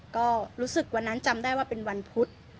ก็รู้สึกวันนั้นจำได้ว่าเป็นวันพุธ